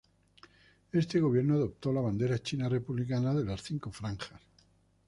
Este Gobierno adoptó la bandera china republicana de las cinco franjas.